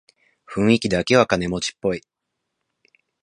雰囲気だけは金持ちっぽい